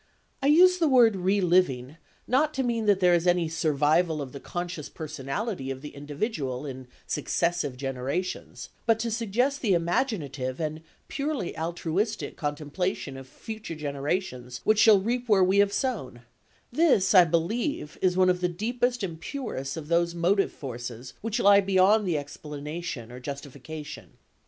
I use the word re living not to mean that there is any survival of the conscious personality of the individual in successive generations, but to suggest the imaginative and purely altruistic contemplation of future generations which shall reap where we have sown; this, I believe, is one of the deepest and purest of those motive forces which lie beyond explanation or justification.